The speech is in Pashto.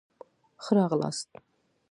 ښه راغلاست.